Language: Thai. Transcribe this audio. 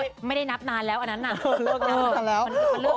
ไม่ได้นับนานแล้วอันนั้นน่ะ